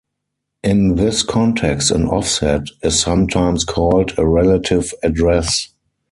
In this context an offset is sometimes called a relative address.